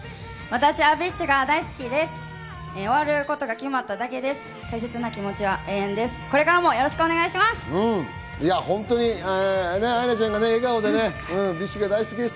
私はＢｉＳＨが大好きです。